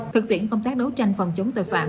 thực tiễn công tác đấu tranh phòng chống tội phạm